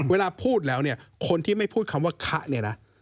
เวลาพูดแล้วเนี่ยคนที่ไม่พูดคำว่าคะเนี่ยนะ